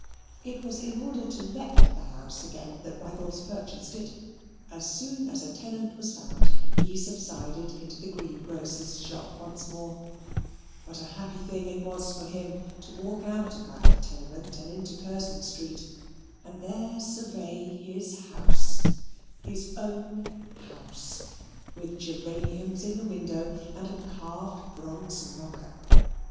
It was in order to let the house again that Raggles purchased it. As soon as a tenant was found, he subsided into the greengrocer's shop once more; but a happy thing it was for him to walk out of that tenement and into Curzon Street, and there survey his house his own house with geraniums in the window and a carved bronze knocker.